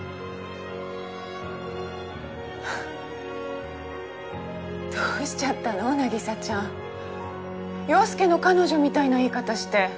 はどうしちゃったの凪沙ちゃん。陽佑の彼女みたいな言い方して。